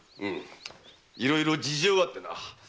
いろいろ事情があってな。